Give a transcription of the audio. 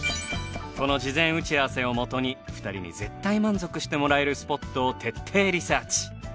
この事前打ち合わせをもとに２人に絶対満足してもらえるスポットを徹底リサーチ。